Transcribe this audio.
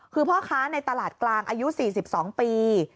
คือพ่อค้าในตลาดกลางอายุ๔๒ปี